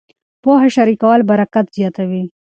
پوهه شریکول برکت زیاتوي.